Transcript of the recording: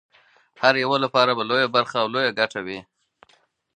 د هر یوه لپاره به لویه برخه او لویه ګټه وي.